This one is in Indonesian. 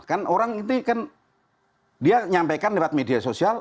kan orang itu kan dia nyampaikan lewat media sosial